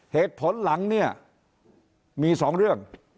เหตุผลหลังเนี่ยมี๒เรื่อง